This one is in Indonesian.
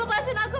ma mau sendirian